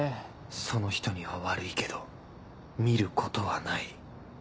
その人には悪いけど見ることはない